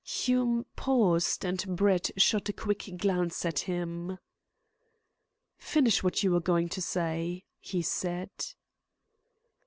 Hume paused, and Brett shot a quick glance at him. "Finish what you were going to say," he said.